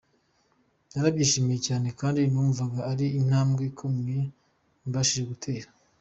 Narabyishimiye cyane kandi numvako ari intambwe ikomeye mbashije gutera.